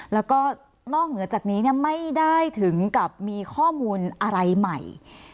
แล้วก็นอกเหนือจากนี้ไม่ได้ถึงกับมีข้อมูลอะไรใหม่